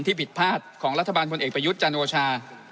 ผิดพลาดของรัฐบาลพลเอกประยุทธ์จันโอชา